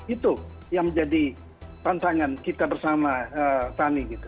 itu yang menjadi tantangan kita bersama fani